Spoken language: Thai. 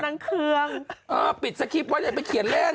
นางเคืองเออปิดสกิปว่าอย่าไปเขียนเล่น